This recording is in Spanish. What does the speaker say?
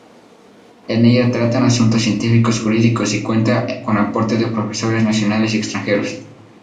En ella tratan asuntos científico-jurídicos, y cuenta con aporte de profesores nacionales y extranjeros.